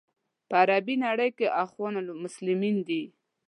په عربي نړۍ کې اخوان المسلمین دي.